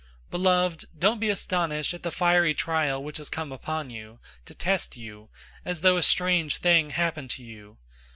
004:012 Beloved, don't be astonished at the fiery trial which has come upon you, to test you, as though a strange thing happened to you.